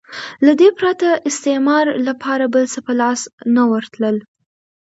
له دې پرته استعمار لپاره بل څه په لاس نه ورتلل.